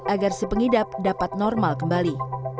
agar si pengidap dapat normal kembali